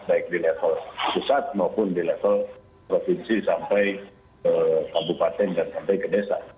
baik di level pusat maupun di level provinsi sampai kabupaten dan sampai ke desa